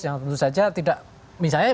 yang tentu saja tidak misalnya